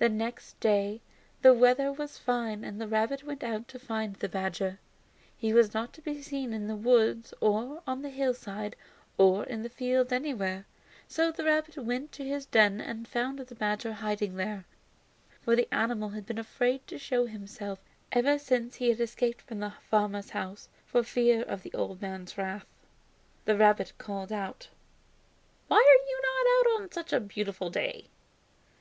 The next day the weather was fine, and the rabbit went out to find the badger. He was not to be seen in the woods or on the hillside or in the fields anywhere, so the rabbit went to his den and found the badger hiding there, for the animal had been afraid to show himself ever since he had escaped from the farmer's house, for fear of the old man's wrath. The rabbit called out: "Why are you not out on such a beautiful day?